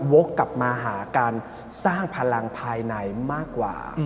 วกกลับมาหาการสร้างพลังภายในมากกว่า